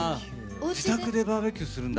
自宅でバーベキューするんだ。